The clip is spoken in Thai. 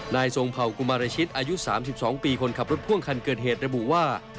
ทรงเผ่ากุมารชิตอายุ๓๒ปีคนขับรถพ่วงคันเกิดเหตุระบุว่า